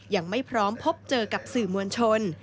ยังไม่พร้อมพบเจอกับสื่อมวลชน